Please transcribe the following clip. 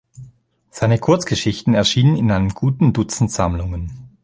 Seine Kurzgeschichten erschienen in einem guten Dutzend Sammlungen.